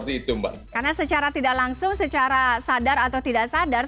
karena secara tidak langsung secara sadar atau tidak sadar